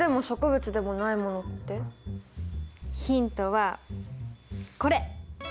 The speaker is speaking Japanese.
ヒントはこれ。